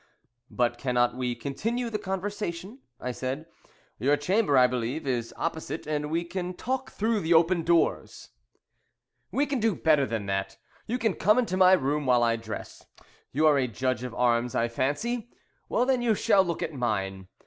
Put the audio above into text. "But cannot we continue the conversation?" I said. "Your chamber, I believe, is opposite, and we can talk through the open doors." "We can do better than that; you can come into my room while I dress. You are a judge of arms, I fancy. Well, then, you shall look at mine.